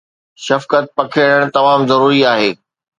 شفقت پکيڙڻ تمام ضروري آهي